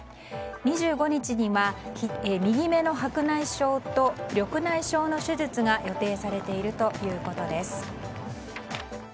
２５日には右目の白内障と緑内障の手術が予定されているということです。